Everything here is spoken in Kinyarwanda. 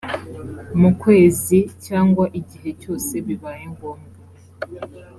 mukwezi cyangwa igihe cyose bibaye ngombwa